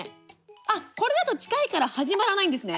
あっ、これだと近いから始まらないんですね。